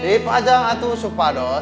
dipajang itu supados